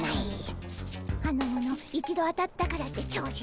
あの者一度当たったからって調子づきおって。